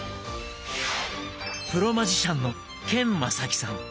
プロマジシャンのケン正木さん。